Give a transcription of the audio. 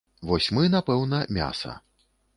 Вось мы, напэўна, мяса.